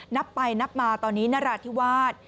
นับไปนับมาตอนนี้นราธิวาส